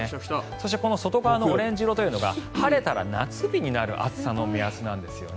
そしてこの外側のオレンジ色が晴れたら夏日になる暑さの目安なんですよね。